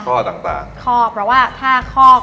ข้อกเพราะว่าถ้าข้อก